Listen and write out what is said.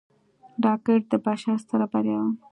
راکټ د بشر ستره بریا وه